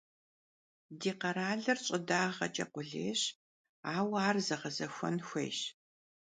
Di kheralır ş'ıdağeç'e khulêyş, aue ar zeğezexuen xuêyş.